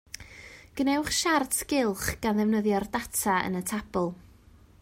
Gwnewch siart gylch gan ddefnyddio'r data yn y tabl